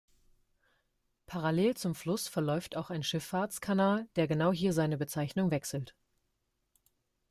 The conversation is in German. Parallel zum Fluss verläuft auch ein Schifffahrtskanal, der genau hier seine Bezeichnung wechselt.